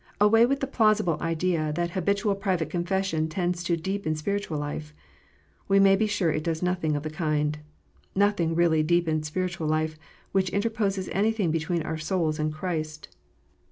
Away with the plausible idea that habitual private confession tends to "deepen spiritual life." We may be sure it does nothing of the kind. Nothing really " deepens spiritual life " which interposes anything between our souls and Christ.